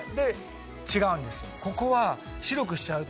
ここは。